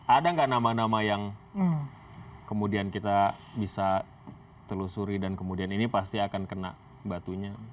ada nggak nama nama yang kemudian kita bisa telusuri dan kemudian ini pasti akan kena batunya